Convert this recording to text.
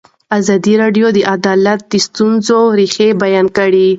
ازادي راډیو د عدالت د ستونزو رېښه بیان کړې.